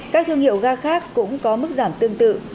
các thương hiệu ga khác cũng có mức giảm tương tự